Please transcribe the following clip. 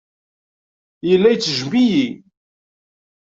Yella ittejjem-iyi.